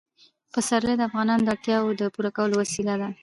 پسرلی د افغانانو د اړتیاوو د پوره کولو وسیله ده.